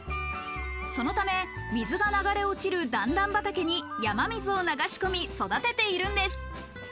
そのため水が流れ落ちる段々畑に山水を流し込み、育てているんです。